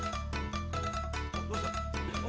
どうした？